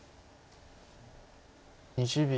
２０秒。